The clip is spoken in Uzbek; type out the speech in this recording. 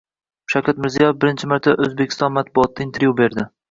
Shavkat Mirziyoyev birinchi marta O‘zbekiston matbuotiga intervyu berdi